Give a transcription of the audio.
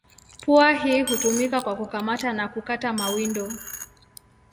Pua hii hutumika kwa kukamata na kukata mawindo.